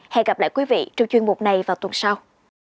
hẹn gặp lại quý vị trong chuyên mục này vào tuần sau